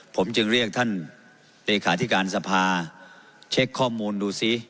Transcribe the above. ผมจึงเรียกท่านเลขาธิการสภาเช็คข้อมูลดูซิ